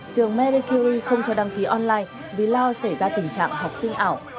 trường mericury không cho đăng ký online vì lo xảy ra tình trạng học sinh ảo